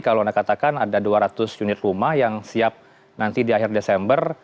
kalau anda katakan ada dua ratus unit rumah yang siap nanti di akhir desember